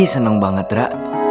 seneng banget ra